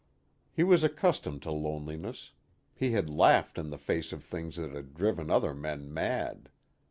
He was accustomed to loneliness; he had laughed in the face of things that had driven other men mad.